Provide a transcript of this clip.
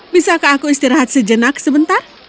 bisakah aku istirahat sejenak sebentar